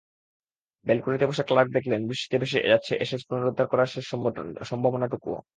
ব্যালকনিতে বসে ক্লার্ক দেখলেন, বৃষ্টিতে ভেসে যাচ্ছে অ্যাশেজ পুনরুদ্ধার করার শেষ সম্ভাবনাটুকুও।